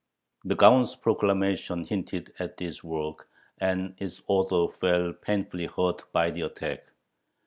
The Gaon's proclamation hinted at this work, and its author felt painfully hurt by the attack.